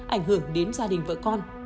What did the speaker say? ảnh hưởng đến gia đình vợ con